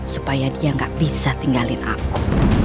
supaya dia gak bisa tinggalin aku